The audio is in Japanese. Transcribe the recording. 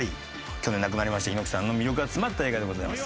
去年亡くなりました猪木さんの魅力が詰まった映画でございます。